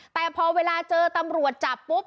แต่พอเวลาเจอตำรวจจับปุ๊บ